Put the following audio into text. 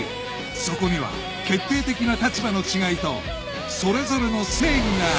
そこには決定的な立場の違いとそれぞれの正義がある